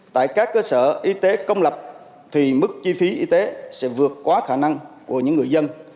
tại các cơ sở y tế công lập thì mức chi phí y tế sẽ vượt qua khả năng của những người dân